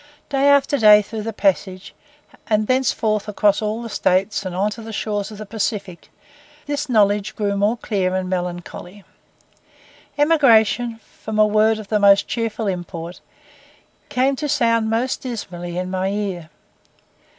Day by day throughout the passage, and thenceforward across all the States, and on to the shores of the Pacific, this knowledge grew more clear and melancholy. Emigration, from a word of the most cheerful import, came to sound most dismally in my ear.